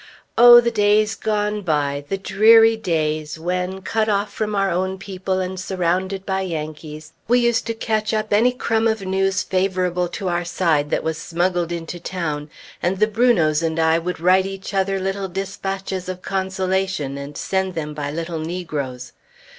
Oh, the days gone by, the dreary days, when, cut off from our own people, and surrounded by Yankees, we used to catch up any crumb of news favorable to our side that was smuggled into town, and the Brunots and I would write each other little dispatches of consolation and send them by little negroes!